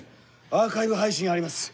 アーカイブ配信あります。